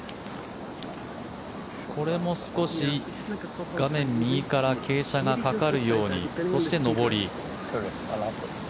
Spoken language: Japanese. これも少し画面右から傾斜がかかるようにそして上り。